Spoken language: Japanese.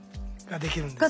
ができる。